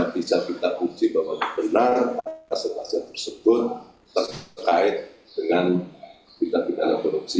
bisa kita uji bahwa benar aset aset tersebut terkait dengan bidang bidang korupsi